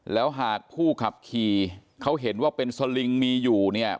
แล้วหากผู้ขับขี่เขาเห็นว่าเป็นสลิงมีอยู่เนี่ย